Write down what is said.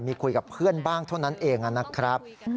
มีคุยกับเพื่อนบ้างเท่านั้นเองนะครับ